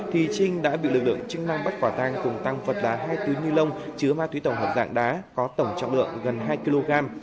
thì trinh đã bị lực lượng chứng năng bắt quả tang cùng tăng vật đá hai túi nilon chứa ma túy tổng hợp dạng đá có tổng trọng lượng gần hai kg